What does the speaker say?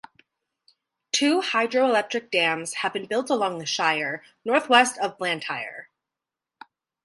Two hydroelectric dams have been built along the Shire northwest of Blantyre.